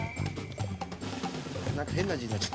なんか変な字になっちゃった。